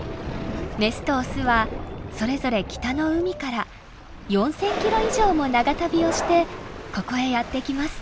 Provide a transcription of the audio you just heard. メスとオスはそれぞれ北の海から４，０００キロ以上も長旅をしてここへやって来ます。